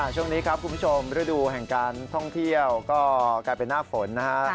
ช่วงนี้ครับคุณผู้ชมฤดูแห่งการท่องเที่ยวก็กลายเป็นหน้าฝนนะฮะ